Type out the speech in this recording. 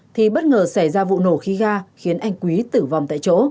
thì bất ngờ xảy ra vụ nổ khí ga khiến anh quý tử vong tại chỗ